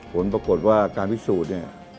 ผลปรากฏว่าการพิสูจน์